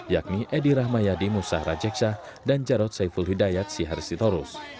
yakni edi rahmayadi musahra jeksah dan jarod saiful hidayat sihar sitorus